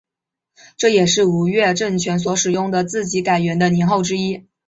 这也是吴越政权所使用的自己改元的年号之一。